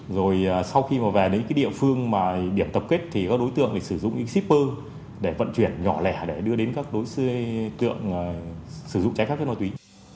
rồi sau khi mà về đến cái địa phương mà điểm tập kết thì các đối tượng sử dụng những shipper để vận chuyển nhỏ lẻ để đưa đến các đối tượng sử dụng trái phép chất ma túy